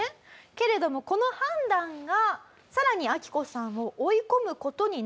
けれどもこの判断がさらにアキコさんを追い込む事になっていきます。